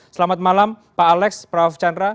selamat malam pak alex prof chandra